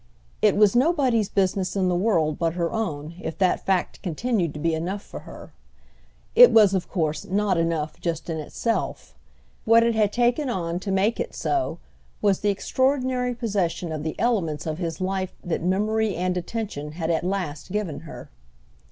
It was nobody's business in the world but her own if that fact continued to be enough for her. It was of course not enough just in itself; what it had taken on to make it so was the extraordinary possession of the elements of his life that memory and attention had at last given her.